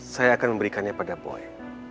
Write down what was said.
saya akan memberikannya pada boy